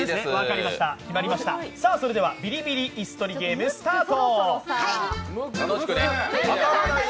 それでは「ビリビリイス取りゲーム」スタート。